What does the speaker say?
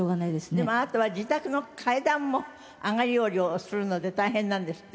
でもあなたは自宅の階段も上がり下りをするので大変なんですって？